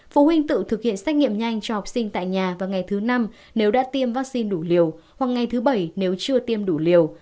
phụ huynh tự thực hiện xét nghiệm nhanh cho học sinh tại nhà vào ngày thứ năm nếu đã tiêm vaccine đủ liều hoặc ngày thứ bảy nếu chưa tiêm đủ liều